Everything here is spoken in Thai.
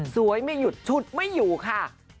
ไม่หยุดชุดไม่อยู่ค่ะ